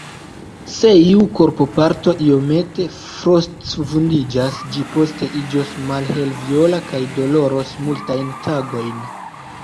Se iu korpoparto iomete frostvundiĝas, ĝi poste iĝos malhelviola kaj doloros multajn tagojn.